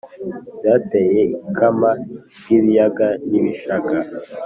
byateye ikama ry’ibiyaga n’ibishanga.